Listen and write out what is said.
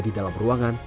di dalam ruangan